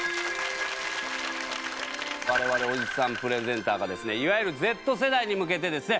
我々オジさんプレゼンターがですねいわゆるＺ世代に向けてですね